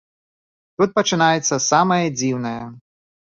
Тут пачынаецца самае дзіўнае.